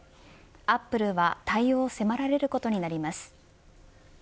アップルは対応を迫られることになります。